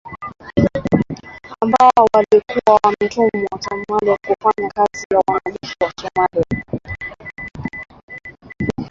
Ambao walikuwa wametumwa Somalia kufanya kazi na wanajeshi wa Somalia.